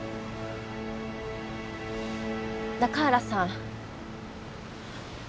中原さん。